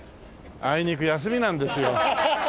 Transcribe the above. あいにく休みなんですよ。